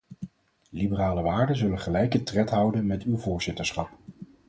Liberale waarden zullen gelijke tred houden met uw voorzitterschap.